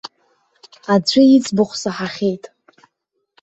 Аӡәы иӡбахә саҳахьеит.